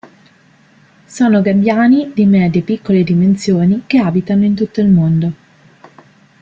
Sono gabbiani di medie-piccole dimensioni che abitano in tutto il mondo.